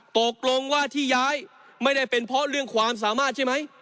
ตกลงว่าที่ย้ายไม่ได้เป็นเพราะเรื่องความสามารถใช่ไหม